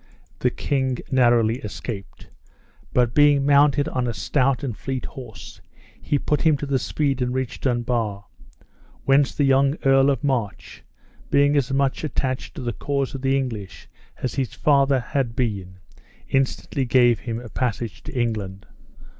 The king narrowly escaped; but being mounted on a stout and fleet horse, he put him to the speed and reached Dunbar, whence the young Earl of March, being as much attached to the cause of England as his father had been, instantly gave him a passage to England.